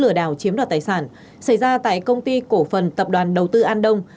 lừa đảo chiếm đoạt tài sản xảy ra tại công ty cổ phần tập đoàn đầu tư an đông